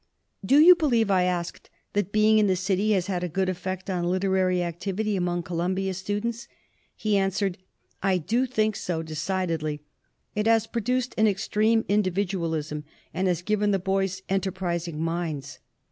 "Do you believe," I asked, "that being in the city has had a good effect on literary activity among Columbia students?" He answered: "I do think so, decidedly. It has produced an extreme individualism and has given the boys enterprising minds.